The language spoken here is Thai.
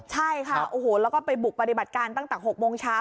ใช่ค่ะโอ้โหแล้วก็ไปบุกปฏิบัติการตั้งแต่๖โมงเช้า